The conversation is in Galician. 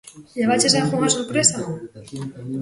Levaches algunha sorpresa?